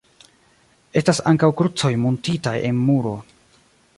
Estas ankaŭ krucoj muntitaj en muro.